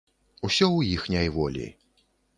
Усё ў іхняй волі.